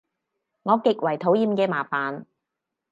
我極為討厭嘅麻煩